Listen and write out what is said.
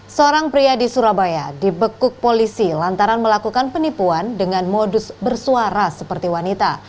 seorang pria di surabaya dibekuk polisi lantaran melakukan penipuan dengan modus bersuara seperti wanita